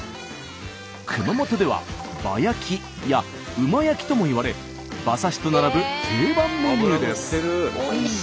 熊本では「馬焼き」や「馬焼き」ともいわれ馬刺しと並ぶ定番メニューです。